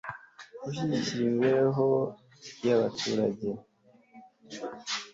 gushyigikira imiibereho y abaturage